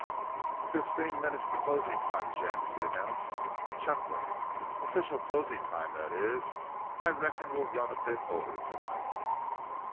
"Fifteen minutes to closing time, gents," he announced, chuckling. "Official closing time, that is. I reckon we'll run a bit over tonight."